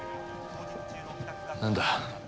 何だ？